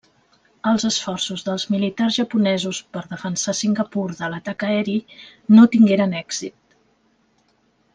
Els esforços dels militars japonesos per defensar Singapur de l'atac aeri no tingueren èxit.